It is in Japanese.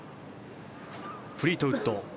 フリートウッド。